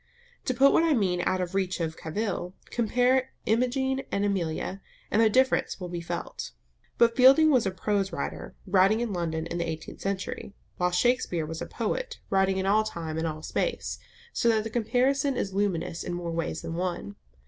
To put what I mean out of reach of cavil, compare Imogen and Amelia, and the difference will be felt. But Fielding was a prose writer, writing in London in the eighteenth century, while Shakespeare was a poet writing in all time and all space, so that the comparison is luminous in more ways than one.